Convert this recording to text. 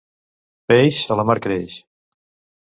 Peix, a la mar creix.